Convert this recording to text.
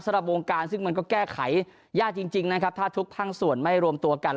สำหรับวงการซึ่งมันก็แก้ไขยากจริงนะครับถ้าทุกภาคส่วนไม่รวมตัวกัน